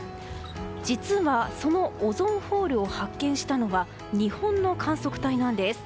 実はそのオゾンホールを発見したのは日本の観測隊なんです。